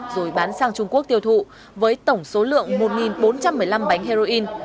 rồi bán sang trung quốc tiêu thụ với tổng số lượng một bốn trăm một mươi năm bánh heroin